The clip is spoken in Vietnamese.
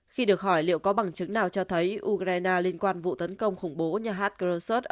khi được hỏi liệu có bằng chứng nào cho thấy ukraine liên quan vụ tấn công khủng bố nhà hát krocarts